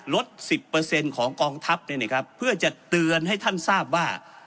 ลด๑๐ของกองทัพเพื่อจะเตือนให้ท่านทราบว่า